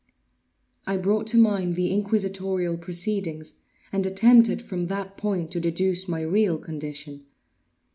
I brought to mind the inquisitorial proceedings, and attempted from that point to deduce my real condition.